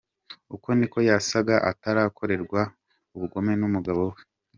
Uko niko yasaga atarakorerwa ubugome n’umugabo we.